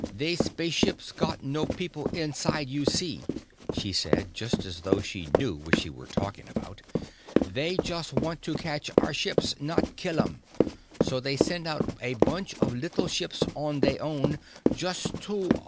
"They spaceships got no people inside, see you," she said, just as though she knew what she were talking about. "They just want to catch our ships, not kill 'em. So they send out a bunch of little ships on they own, just to